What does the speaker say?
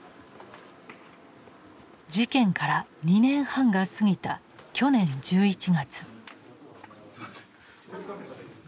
事件から２年半が過ぎた去年１１月。